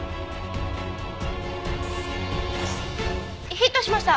ヒットしました！